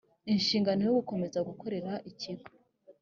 inshingano yo gukomeza gukorera ikigo